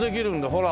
ほら。